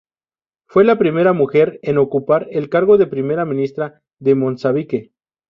Fue la primera mujer en ocupar el cargo de Primera Ministra de Mozambique.